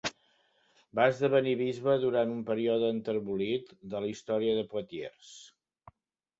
Va esdevenir bisbe durant un període enterbolit de la història de Poitiers.